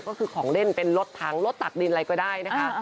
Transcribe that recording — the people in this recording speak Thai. ก็คือของเล่นเป็นรถถังรถตักดินอะไรก็ได้นะคะ